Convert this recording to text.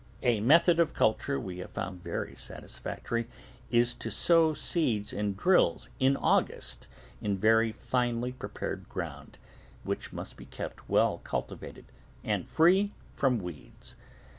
A method of culture we have found very satis factory is to sow seed in drills in August in very finely prepared ground, which must be kept well cultivated and free of weeds.